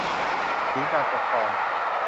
ศูนย์การปกครอง